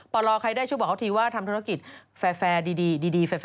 ปลอใครได้ช่วยบอกเขาทีว่าทำธุรกิจแฟร์ดีแฟร์